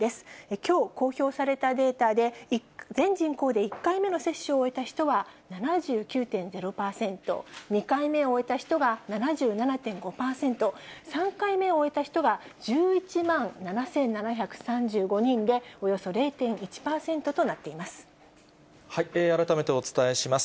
きょう、公表されたデータで、全人口で１回目の接種を終えた人は７９．０％、２回目を終えた人が７７．５％、３回目を終えた人は１１万７７３５人で、およそ０．１％と改めてお伝えします。